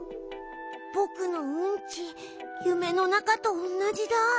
ぼくのうんちゆめのなかとおんなじだ。